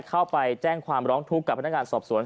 เข้าไปแจ้งความร้องทุกข์กับพนักงานสอบสวน